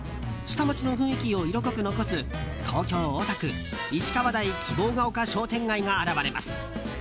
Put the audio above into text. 下町の雰囲気を色濃く残す東京・大田区石川台希望ヶ丘商店街が現れます。